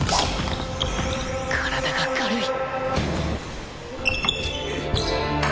体が軽い